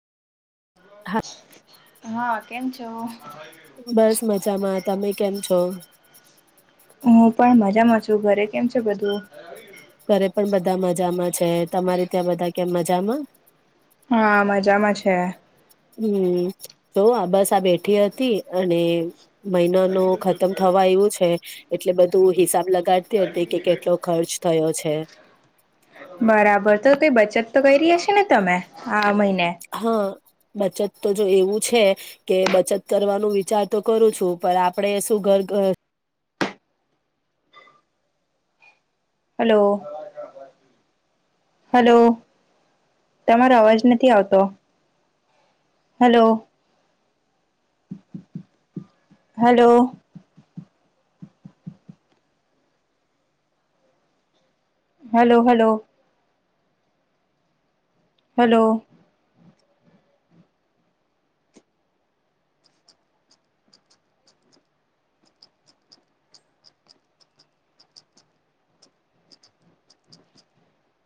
હા કેમ છો? બસ મજામાં તમે કેમ છો? હું પણ મજામાં છું ઘરે કેમ છે બધું? ઘરે પણ બધા મજામાં છે તમારે ત્યાં બધા કેમ મજામાં? હા મજામાં છે. હમ્મ તો આ બસ આ બેઠી હતી અને મહિના ન ખતમ થવા એવું છે, એટલે બધું હિસાબ લ કરતી હતી કે કેટલો ખર્ચ થયો છે. બરાબર તો કઈ બચત તો કરી હશે ને તમે, આ મહિના હા. બચત તો જો એવું છે, કે બચત કરવાનું વિચાર તો કરું છું પણ આપણે શું ઘર અ હલો. હલો તમારો અવાજ નથી આવતો. Hello. Hello. Hello hello. Hello.